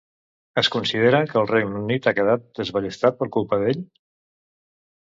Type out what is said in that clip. Es considera que el Regne Unit ha quedat desballestat per culpa d'ell?